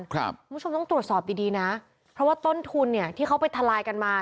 คุณผู้ชมต้องตรวจสอบดีดีนะเพราะว่าต้นทุนเนี่ยที่เขาไปทลายกันมา